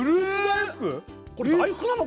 これ大福なの？